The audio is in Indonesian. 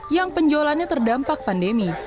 yang penjualannya terdampak pandemi